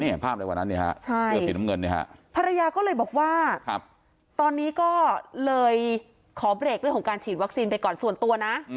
นี่ภาพเลยวันนั้นใช่ภรรยาก็เลยบอกว่าตอนนี้ก็เลยขอเบรกเรื่องของการฉีดวัคซีนไปก่อนส่วนตัวนะ